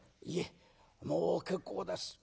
「いえもう結構です。